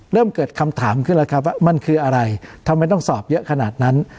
เริ่มเกิดคำถามขึ้นแล้วครับว่ามันคืออะไรทำไมต้องสอบเยอะขนาดนั้น